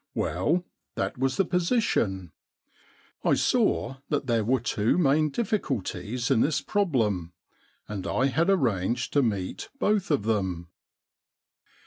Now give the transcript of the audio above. Well, that was the position. I saw that there were two main difficulties in this problem, and I had arranged to meet both of them.'